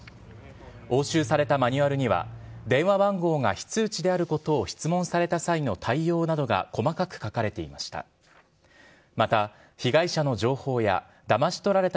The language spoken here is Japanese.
押収されたマニュアルには、電話番号が非通知であることを質問された際の対応などが細かく書かれていました。